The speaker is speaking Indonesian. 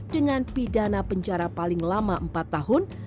dengan pidana penjara paling lama empat tahun